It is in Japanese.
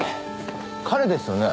彼ですよね？